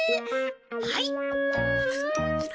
はい。